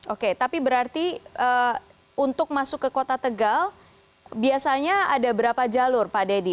oke tapi berarti untuk masuk ke kota tegal biasanya ada berapa jalur pak deddy